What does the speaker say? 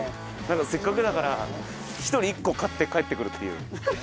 せっかくだから１人１個狩って帰ってくるっていう。